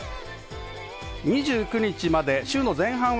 ２９日まで週の前半は